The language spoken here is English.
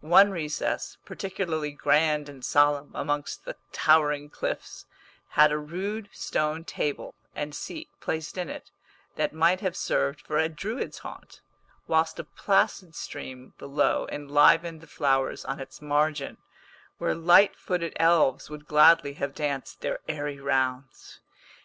One recess, particularly grand and solemn amongst the towering cliffs, had a rude stone table and seat placed in it, that might have served for a Druid's haunt, whilst a placid stream below enlivened the flowers on its margin, where light footed elves would gladly have danced their airy rounds.